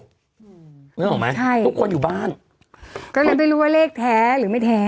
นึกออกไหมใช่ทุกคนอยู่บ้านก็เลยไม่รู้ว่าเลขแท้หรือไม่แท้